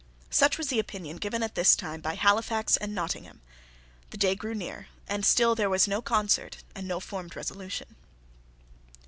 Such was the opinion given at this time by Halifax and Nottingham. The day drew near; and still there was no concert and no formed resolution.